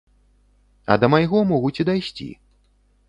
А да майго могуць і дайсці.